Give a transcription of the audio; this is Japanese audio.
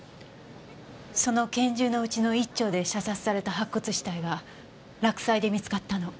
その拳銃のうちの１丁で射殺された白骨死体が洛西で見つかったの。